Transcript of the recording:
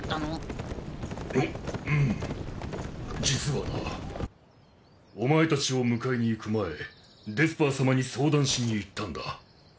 実はなお前たちを迎えに行く前デスパー様に相談しに行ったんだ。